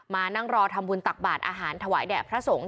มานั่งรอทำบุญตักบาทอาหารถวายแด่พระสงฆ์